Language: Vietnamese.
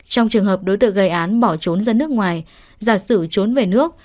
trong trường hợp đối tượng gây án bỏ trốn ra nước ngoài giả sử trốn về nước